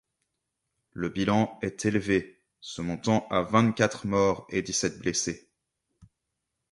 Leur bilan est élevé, se montant à vingt-quatre morts et dix-sept blessés.